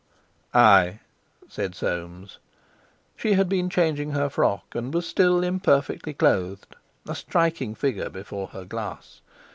"I," said Soames. She had been changing her frock, and was still imperfectly clothed; a striking figure before her glass.